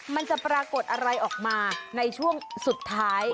มันจะปรากฏอะไรออกมาในช่วงสุดท้าย